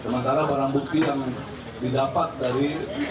sementara barang bukti yang didapat dari